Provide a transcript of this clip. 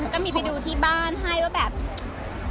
ก็มีไปดูที่บ้านให้ใบบ้านเพราะอย่างกะ